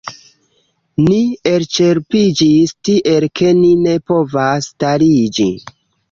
Ni elĉerpiĝis tiel ke ni ne povas stariĝi.